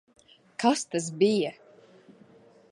Kas tas bija?